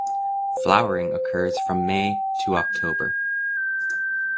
Flowering occurs from May to October.